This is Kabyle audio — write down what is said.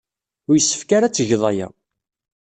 Ur yessefk ara ad tged aya.